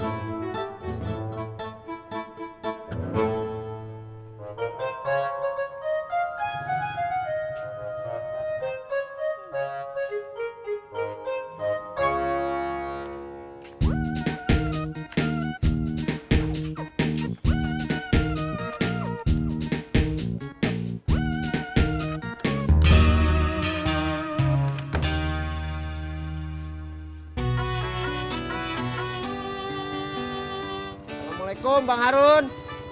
assalamualaikum bang harun